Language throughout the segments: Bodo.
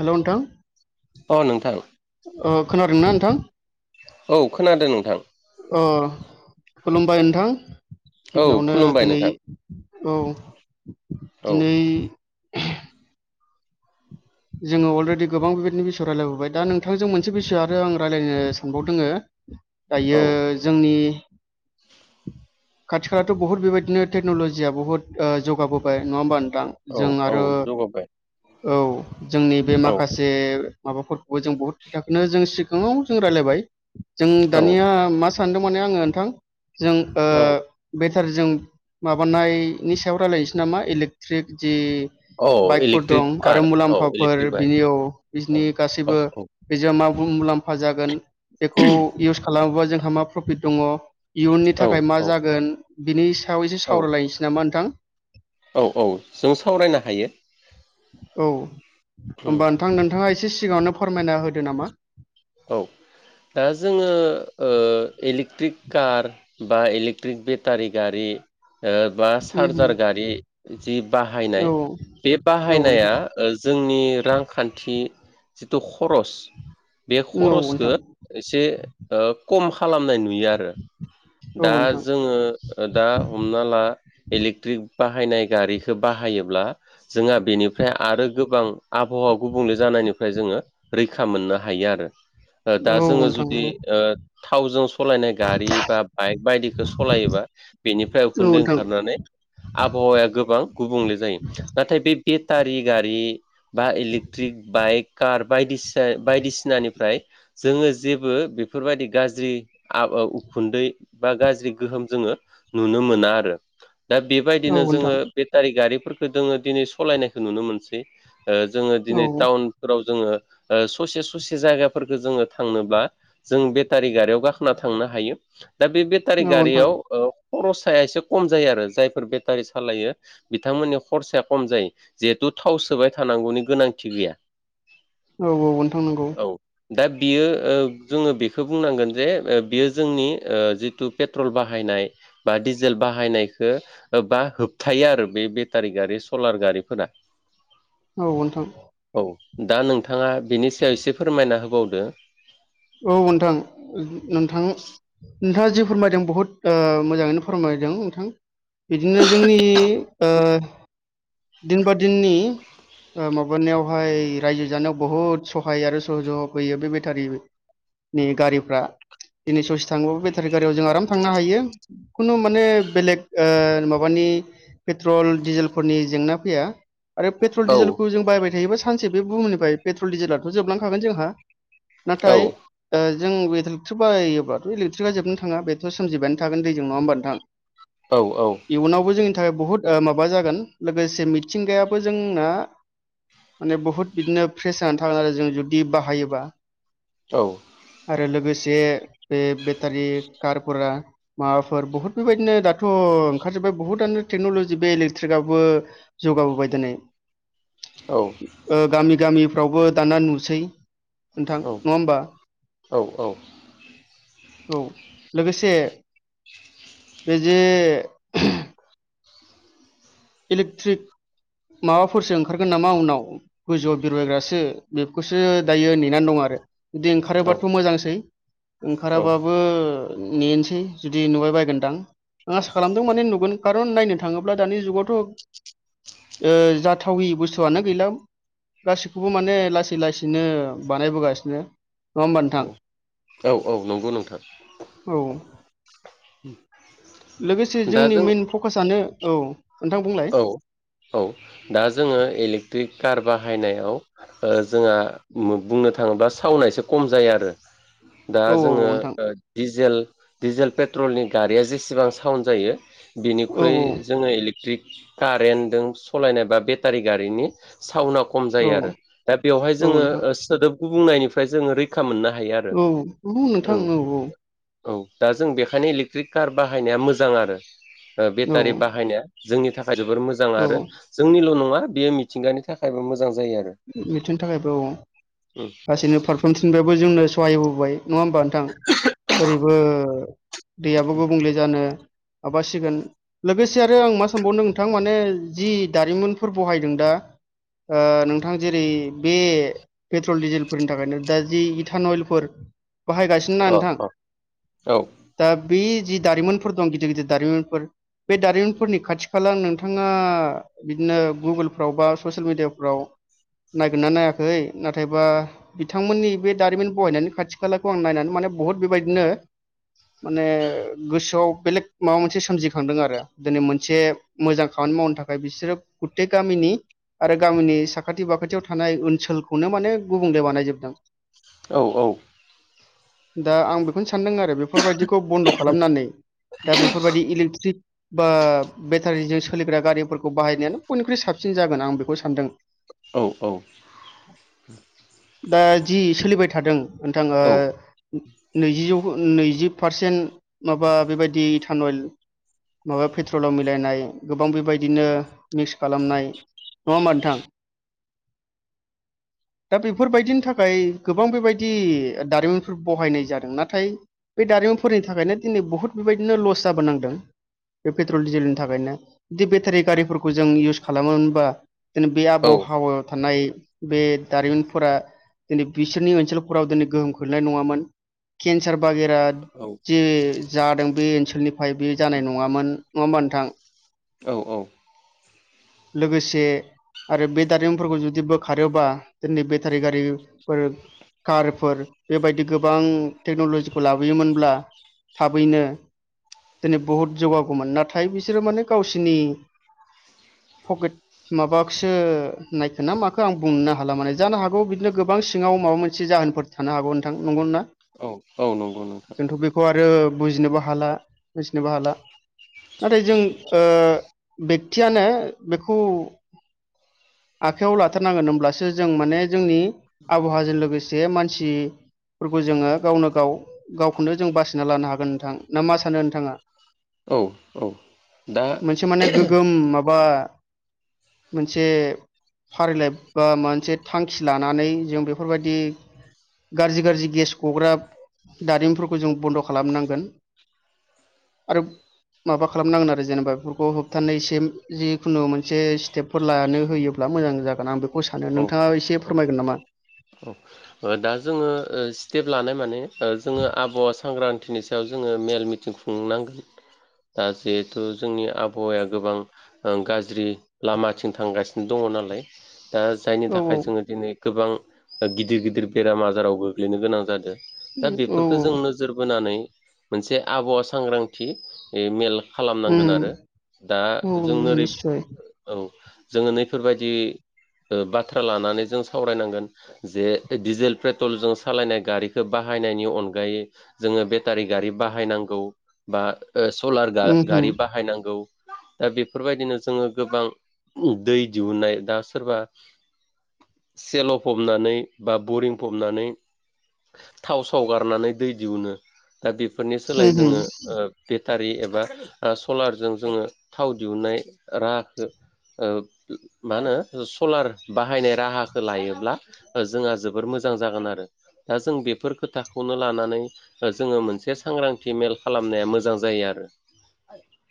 हेल'! नोंथां अ नोंथां ओ खोनादोंना नोंथां? औ खोनादों नोंथां। ओ खुलुमबाय नोंथां। औ गिबियावनो खुलुमबाय दिनै नोंथां औ औ दिनै जोङो अलरेदि गोबां बेबायदिनि बिसय रायलायबोबाय दा नोंथांजों मोनसे बिसय आरो आङो रायलायनो सानबावदोङो औ दायो जोंनि खाथि खालाथ' बुहुत बेबायदिनो टेक्न'लजिया बहुत ओ जौगाबोबाय नङा होमबा? नोंथां औ जों औ आरो जौगाबाय औ जोंनि बे औ माखासे माबाफोरखौबो जों बहुद खोथा जों सिगाङाव जों रायज्लायबाय जों औ दानिया मा सानदों माने आङो नोंथां जों ओ औ बेटार जों माबानायनि सायाव रायलायनोसै नामा इलेक्ट्रिक जि औ बाइकफोर इलेक्ट्रिक दं आरो कार औ मुलाम्फाफोर इलेक्ट्रिक बाइक बिनियाव औ बिनि औ गासैबो औ बि मा मुलाम्फा मुलाम्फा जागोन बेखौ इउस खालामोबा जोंहा मा प्रफिट दङ इयुननि औ थाखाय मा औ जागोन बिनि सायाव एसे औ सावरायलायनोसै नामा नोंथां औ औ जों सावरायनो हायो औ उम होमबा नोंथां नोंथाङा एसे सिगाङावनो फोरमायना होदो नामा औ दा जोङो ओ इलेक्ट्रिक कार बा इलेकट्रिक बेटारि गारि ओ बा उम उम चार्जार गारि बिदि औ बाहायनाय बे औ नोंथां बाहायनाया जोंनि रांखान्थि जिथु खरस बे औ नोंथां खरसखौ एसे ओ खम खालामनाय नु नुयो आरो औ दा नोंथां जोङो ओ दा हमना ला इलेकट्रिक बाहायनाय गारिखो बाहायोब्ला जोङा बेनिफ्राय आरो गोबां आबहावा गुबुंले जाना औ नोंथां औ [unintelligible] थावजों सलायनाय गारि बा बाइक बायदिखो सलायोबा बेनिफ्राय औ उखुन्दै नोंथां ओंखारनानै आबहावाया गोबां गुबुंले जायो नाथाय बे बेटारि गारि बा इलेकट्रिक बाइक कार बायदिसिया बायदिसिनानिफ्राय जोङो जेबो बेफोरबायदि गाज्रि आब ओ उखुन्दै बा गाज्रि गोहोम जोङो नुनो मोना आरो दा औ बेबायदिनो नोंथां जोङो बेटारि गारिफोरखो दोङो दिनै सलायनायखो नुनो मोनसै ओ जोङो औ दिनै टाउनफोराव जोङो ओस ससे ससे जायगाफोरखो जोङो थांनोब्ला जों बेटारि गारियाव गाखोना थांनो हायो दा बे बेटारि नोंथां गारियाव ओ खर'साया एसे कम जायो आरो जायफोर बेटारि सालायो बिथांमोननि खरसाया कम जायो जिहेतु थाव सोबाय थानांगौनि गोनांथि गैया औ औ ओनथां नंगौ औ दा बियो ओ जोङो बेखो बुंनांगोन जे ओ बियो जोंनि ओ जितु पेट्र'ल बाहायन नाय बा डिजेल बाहायनायखो ओ बा होबथायो आरो बे बेटारि गारि सलार गारि फोरा औ ओनथां दा नोंथाङा बिनि सायाव इसे फोरमायना होबावदो औ नोंथां नोंथां नोंथाङा जि फोरमायदों बहुत मोजाङैनो फोरमाय जों नोंथां बिदिनो जोंनि ओ दिन बा दिननि ओ माबानायावहाय रायजो जानायाव बहुत सहाय आरो सहज'ग होयो बे बेटारि नि गारिफ्रा दिनै ससे थांबाबो बेथारि गारियाव जों आराम थांनो हायो खुनु माने बेलेग ओ माबानि [unintelligible] सानसे औ बे बुहुमनिफ्राय पेट्र'ल डिजेलाथ' औ जोबलांखागोन जोंहा नाथाय ओ [unintelligible] औ इयुनावबो जोंनि थाखाय बुहुत ओ माबा जागोन लोगोसे मिथिंगायाबो जोंना माने बुहुत बिदिनो फ्रेस जानानै थागोन आरो जों जुदि बाहायोबा औ आरो लोगोसे बे बेटारि कारफोरा माबाफोर बुहुत बेबायदिनो दाथ' अ ओंखारजोबाय बुहुतआनो टेक्नल'जि बे इेट्रिक आ बो जौगाबोबाय दोनै। औ ओ गामि गामिफ्रावबो दाना नुसै। नोंथां औ नङा होमबा? औ औ लोगोसे बेजे इलेक्थ्रिक माबाफोरसो ओंखारगोन नामा उनाव गोजौआव बिरबायग्रासो बेखौसो दायो नेनानै दं आ रो। बिदि औ ओंखारोबाथ' मोजांसै औ ओंखाराबाबो नेनसै जुदि नुबाय बायगोनदां। आं आसा खालामदों माने नुगोन कारन नायनो थाङोब्ला दानि जुगावथ' ओ जाथावि बुस्थुआनो गैला। गासिखौबो माने लासै लासैनो बानायबोगासिनो। नङा होमबा नोंथां? औ औ नंगौ नों औ। लोगोसे दा जोंनि जों मेन फ'कासानो औ नोंथां बुंलाय औ औ दा जोङो इलेक्ट्रिक कार बाहायनायाव ओ जोंहा बुंनो थाङोब्ला साव'ना एसे खम जायो आरो। दा औ औ जोङो नोंथां ओ दिजेल डिजेल पेट्रलनि गारिया जेसेबां साउड जायो औ बिनिख्रुइ औ जोङो इलेकट्रिक कारेन्टजों सालायनाय बा बेटारि गारिनि साउन्डआव खम औ जायो आरो। दा बेवहाय औ जोङो नोंथां ओ सोदोब गुबुंनायनिफ्राय जोङो रैखा मोननो हायो आरो औ नोंगौ नोंथां ओं औ औ। औ दा जों बेखायनो इलेक्ट्रिक कार बाहायनाया मोजां आरो। औ बेटारि बाहायनाया जोंनि थाखाय जोबोर मोजां औ आरो जोंनिल' नङा बेयो मिथिंगानि थाखायबो मोजां जायो आरो मिथिनि थाखायबो औ गासैनो फारफ्रोमथिनबाबो जोंनो सहायहोबोबाय। नङा होमबा नोंथां? ओरैबो दैयाबो गुबुंले जानो माबासिगोन। लोगोसे आरो आं मा सानबावनो नोंथां माने जि दारिमिनफोर बहायदों दा ओ नों थां जेरै बे पेट्रल डिजेलफोरनि थाखायनो दा जि इथानयेलफोर बाहायगासिनो ना अ नोंथां। अ औ दा बे जि दारिमिफोर दं गिदिर गिदिर दारिमिनफोर बे दारिमिनफोरनि खाथि खाला नोंथाङा बिदिनो गुगोलफ्राव बा ससियेल मिडियाफ्राव नायगोनना नायाखै नाथायबा बिथांमोननि बे दारिमिन बहायनायनि खाथि खालाखौ आं नायनानै माने बुहुत बेबायदिनो माने गोसोआव बेलेग माबा मोनसे सोमजिखांदों आरो दिनै मोनसे मोजां खामानि मावनो थाखाय बिसोरो गुथे गामिनि आरो गामिनि सा खाथि बाखाथियाव थानाय ओनसोलखौनो माने गुबुंले बानायजोबदों। औ औ। दा आं बेखौनो सानदों आरो बेफोरबायदिखौ बन्द' खालामनानै दा बेफोरबायदि इलेक्ट्रिक बा बेटारिजों सोलिग्रा गारिफोरखौ बाहायनायानो बयनिख्रुइ साबसिन जागोन आं बेखौ सानदों। औ औ। दा जि सोलिबाय थादों नोंथां ओ औ नैजि जौख नैजि पारसेन्ट माबा बेबायदि इथानयेल माबा पेट्रलाव मिलायनाय गोबां बेबायदिनो मिक्स खालामनाय। नङा होमबा नोंथां? दा बेफोरबायदिनि थाखाय गोबां बेबायदि दारिमिनफोर बहायनाय जादों नाथाय बे दारि फोरनि थाखायनो दिनै बहुत बेबायदिनो लस जाबोनांदों। बे पेट्रल डिजेलनि थाखायनो जुदि बेटारि गारिफोरखौ जों इउस खालामो मोनबा जोंनि बे‌ आब' औ थानाय बे दारिमिनफोरा दिनै बिसोरनि ओनसोलफोराव दिनै गोहोम खोलैनाय नङामोन केन्सार बो बागेरा जे जादों बे ओनसोलनिफ्राय बे जानाय नङामोन नङा होनबा नोंथां औ औ लोगोसे आरो बे दारिमिनफोरखौ जुदि बोखारोबा जोनि बेटारि गारिफोर कारफोर बेबायदि गोबां टेक्न'लजिखौ लाबोयोमोनब्ला थाबैनो दिनै बहुत जौगागौमोन नाथाय बिसोरो माने गावसिनि पकेट माबाखौसो नायखो ना मखो आं बुंनो हाला माने जानो हागौ बिदिनो गोबां सिङाव माबा मोनसे जाहोनफोर थानो हागौ नोंथां नंगौना औ औ नंगौ नोंथां आरो बुजिनोबो हाला मिथिनोबो हाला नाथाय जों ओ बेकतियानो बेखौ आखाइआव लाथारनांगोन होमब्लासो जों माने जोंनि आबहावाजों लोगोसे मानसि फोरखौ जोङो गावनो गाव गावखौनो जों बासिना लानो हागोन नोंथां ना मा सानो नोंथाङा औ औ दा गोम माबा मोनसे फारिलाइ बा मोनसे थांखि लानानै जों बेफोरबायदि गाज्रि गाज्रि गेस गग्रा दारिमनफोरखौ जों बन्द' खालामनांगोन आरो माबा खालामनांगोन आरो जेनेबा बेफोरखौ होबथानाय इसे जिखुनु मोनसे स्टेपफोर लानो होयो ब्ला मोजां जागोन आं बेखौ सानो औ नोंथाङा एसे औ फोरमायगोन नामा दा जोङो स्टेप लानाय माने जोङो आबावा सांग्रांथिनि सायाव जोङो मेल मिथिं खुंनांगोन दा जिहेथु जोंनि आबहावाया गोबां अ गाज्रि लामाथिं थांगासिनो दङ नालाय दा जायनि औ थाखाय जोङो दिनै गोबां गिदिर गिदिर बेराम आजाराव गोग्लैनो गोनां जादों दा औ बेफोरखौ जों नोजोर बोनानै मोनसे आबहावा सांग्रांथि मेल उम खालामनांगोन आरो दा औ जों ओरै निस्सय औ जोङो नैफोरबायदि बाथ्रा लानानै जों सावरायनांगोन जे डिजेल पेट्रलजों सालायनाय गारिखौ बाहायनायनि अनगायै जोङो बेटारि गारि बाहायनां गौ बा सलार गा उम उम गारि बाहायनांगौ दा बेफोरबायदिनो जोङो गोबां दै दिहुननाय दा सोरबा सेल' फबनानै बा बरिं फबनानै थाव साव गारनानै दै दिहुनो दा बेफोरनि सोलाय उम जोङो ओ बे टारि एबा सलारजों जोङो थाव दिहुननाय राहाखौ अ मा होनो सलार बाहायनाय राहाखौ लायोब्ला ओ जोंहा जोबोर मोजां जागोन आरो दा जों बेफोर खोथाखौनो लानानै जोङो मोनसे सां सांग्रांथि मेल खालामनाया मोजां जायो आरो [inaudible]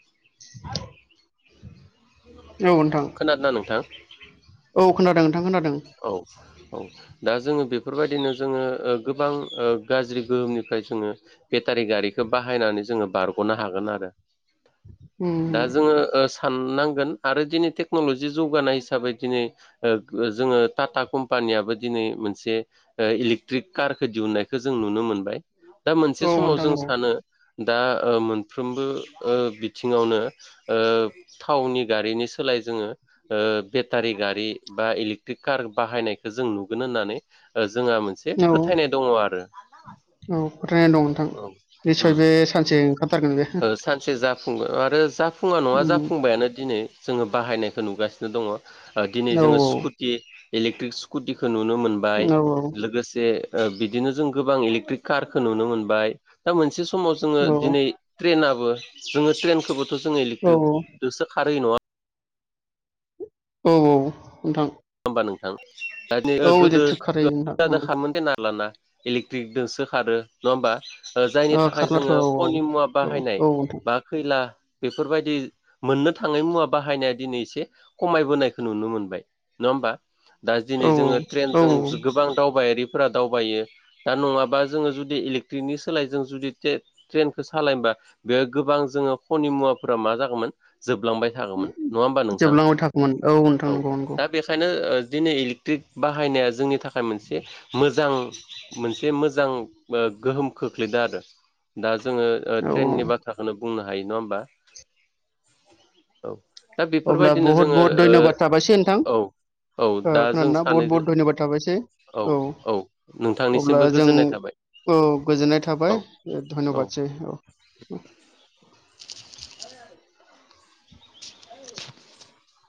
औ नोंथां खोनादोंना नोंथां औ खोन्थादों नों औ औ दा जोङो बेफोरबायदिनो जोङो ओ गोबां ओ गाज्रि गोहोमनिफ्राय जोङो एता गारि गारिखौ बाहायनानै जोङो बारग'नो हागोन आरो [inaudible] दा उम जोङो ओ साननांगोन आरो दिनै टेक्न'लजि जौगानाय हिसाबै दिनै ओ जोङो। टाटा कम्पानियाबो दिनै मोनसे अ इलेक्ट्रिक कारखौ दिहुननायखौ जों नुनो मोनबाय। दा मोनसे औ समाव नोंथां जों औ सानो दा अ मोनफ्रोमबो अ बिथिङावनो अ थावनि गारिनि सोलाय जोङो बेतारि गारि बा इलेकत्रिक कार बाहायनायखौ जों नुगोन होननानै अ जोंहा मोनसे औ फोथायनाय दङ आरो। औ फोथायनाय दं नोंथां औ निस्सय ओम बे सानसे ओंखारथारगोन बे सानसे जाफुंगोन आरो जाफुङा नङा उम जाफुंबायानो दिनै जोङो बाहायनायखौ नुगासिनो दङ दिनै औ जोङो स्कुटि इलेक्ट्रिक स्कुटिखौ नुनो मोनबाय औ लोगोसे अ बिदिनो जों गोबां इलेक्ट्रिक कारखौ नुनो मोनबाय दा मोनसे समाव जोङो औ दिनै ट्रेनाबो जोङो ट्रेनखौबोथ' जोङो औ इलेक्ट्रिकजोंसो खारहै नङा। औ औ नोंथां होमबा नोंथां दा नै ओ औ गोदो इलेक्ट्रिक खारहैयो नोंथां खामोन दे नालाना इलेकट्रिकदोंसो खारो नङा होमबा? अ जायनि औ थाखाय खारलाथ' औ जोङो खनि मुवा औ बाहायनाय औ नोंथां बा खैला बेफोरबायदि मोननो थाङै मुवा बाहायनाया दिनै एसे खमायबोनायखो नुनो मोनबाय। नङा होमबा दा औ दिनै जोङो औ ट्रेनजों ज गोबां दावबायारि फोरा दावबायो दा नङाबा जोङो जुदि इलेकट्रिकनि सोलाय जों जुदि टे-ट्रेनखौ सालायनोबा बे गोबां जोङो खनि मुवाफोरा मा जागोमोन जोबलांबाय थागौमोन नङा होमबा नोंथां जोबलांबाय थागौमोन नोंथां औ नंगौ नंगौ दा बेखायनो ओ दिनै इलेक्ट्रिक बाहायनाया जोंनि थाखाय मोनसे मोजां मोनसे मोजां ओ गोहोम खोख्लैदों आरो दा जोङो ओ औ औ ट्रेननि बाथ्राखोनो बुंनो हायो नङा होमबा औ। दा अब्ला बेफोरबायदिनो बहुत जोङो बहुत धन्यबाद थाबायसै नोंथां। औ ओ दा जों खोनादोना बहुत सानैजों बहुत धन्यबाद थाबायसै। औ औ नोंथांनिसिमबो गोजोननाय थाबाय। उम गोजोननाय औ थाबाय ओ औ धन्यबादसै औ। [inaudible] [inaudible]